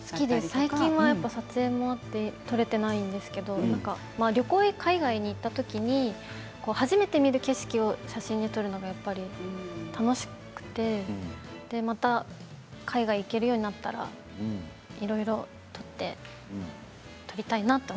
最近は撮影もあって撮れていないんですけれども海外旅行に行った時に初めて見る景色を写真に撮るのが楽しくてまた海外に行けるようになったらいろいろ撮りたいなと。